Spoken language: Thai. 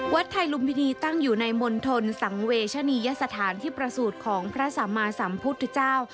ไทยลุมพินีตั้งอยู่ในมณฑลสังเวชนียสถานที่ประสูจน์ของพระสัมมาสัมพุทธเจ้า